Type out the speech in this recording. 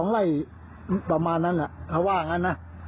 ไล่ประมาณนั้นเขาว่างั้นนะ